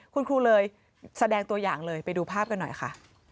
คุณครูเลยแสดงตัวอย่างเลยไปดูภาพกันหน่อยค่ะ